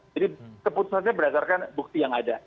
jadi keputusannya berdasarkan bukti yang ada